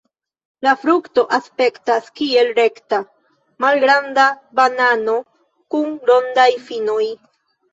La frukto aspektas kiel rekta, malgranda banano kun rondaj finoj.